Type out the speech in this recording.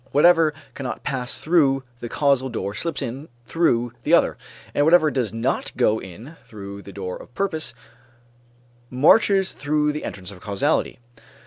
Whatever cannot pass through the causal door slips in through the other, and whatever does not go in through the door of purpose marches through the entrance of causality.